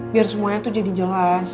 biar semuanya itu jadi jelas